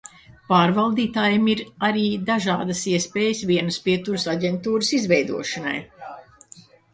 Pārvaldītājiem arī ir dažādas iespējas vienas pieturas aģentūras izveidošanai.